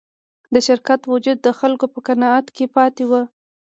د شرکت وجود د خلکو په قناعت کې پاتې و.